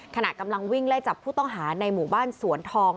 ขณะกำลังวิ่งไล่จับผู้ต้องหาในหมู่บ้านสวนทอง